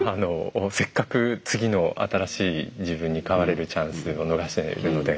せっかく次の新しい自分に変われるチャンスを逃しているので。